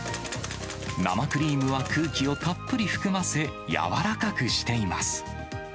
生クリームは空気をたっぷり含ませ、柔らかくしています。